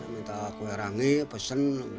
minta kue rangi pesen